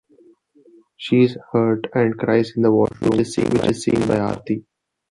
She is hurt and cries in the washroom, which is seen by Arati.